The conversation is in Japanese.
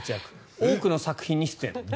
多くの作品に出演。